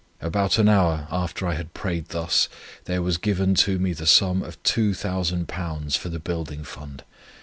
About an hour, after I had prayed thus, there was given to me the sum of Two Thousand Pounds for the Building Fund.